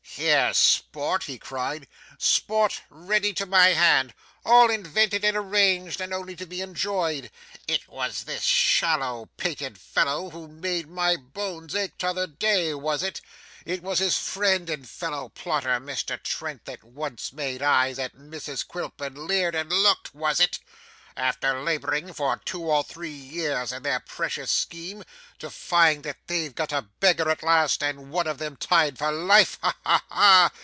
'Here's sport!' he cried, 'sport ready to my hand, all invented and arranged, and only to be enjoyed. It was this shallow pated fellow who made my bones ache t'other day, was it? It was his friend and fellow plotter, Mr Trent, that once made eyes at Mrs Quilp, and leered and looked, was it? After labouring for two or three years in their precious scheme, to find that they've got a beggar at last, and one of them tied for life. Ha ha ha!